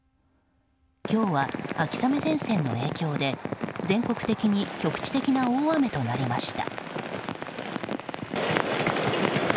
今日は秋雨前線の影響で全国的に局地的な大雨となりました。